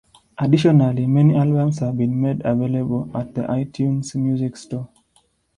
Additionally, many albums have been made available at the iTunes Music Store.